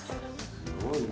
すごいな。